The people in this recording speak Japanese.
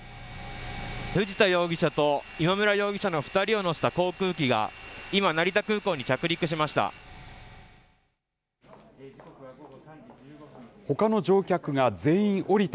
藤田容疑者と今村容疑者の２人を乗せた航空機が今、成田空港に着陸しました。